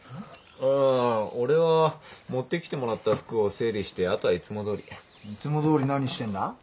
あ俺は持ってきてもらった服を整理してあとはいつもどおり。いつもどおり何してんだ？